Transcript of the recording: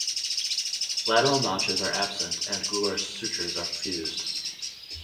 Lateral notches are absent and gular sutures are fused.